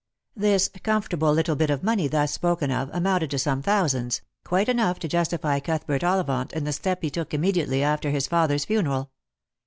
The " comfortable little bit of money " thus spoken of amounted to some thousands, quite enough to justify Cuthbert Ollivant in the step he took immediately after his father's funeral.